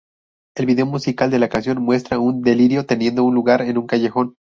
El video musical de la canción muestra un delirio teniendo lugar en un callejón.